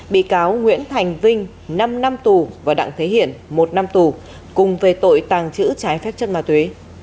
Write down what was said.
bị cáo nguyễn thành vinh năm năm tù và đặng thế hiển một năm tù cùng về tội tàng trữ trái phép chất ma túy